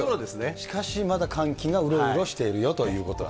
しかし、まだ寒気がうろうろしているよということですね。